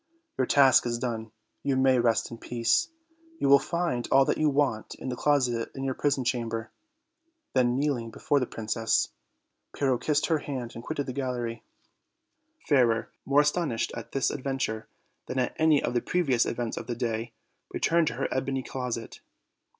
Your task done, you may rest in peace; you will find all that you want in the closet in your prison chamber;" then, kneeling before the princess, Pyrrho kissed her hand and quitted the gallery. Fairer, more astonished at this adventure than at any of the previous events of the day, returned to her ebony closet.